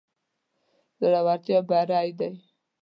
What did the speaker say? زړورتيا بري ده.